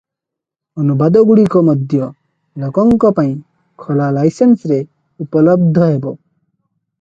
ଅନୁବାଦଗୁଡ଼ିକ ମଧ୍ୟ ଲୋକଙ୍କ ପାଇଁ ଖୋଲା ଲାଇସେନ୍ସରେ ଉପଲବ୍ଧ ହେବ ।